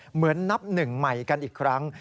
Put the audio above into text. เหมือนนับหนึ่งใหม่กันอีกครั้ง